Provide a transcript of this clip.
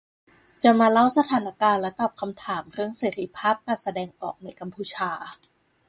จะมาเล่าสถานการณ์และตอบคำถามเรื่องเสรีภาพการแสดงออกในกัมพูชา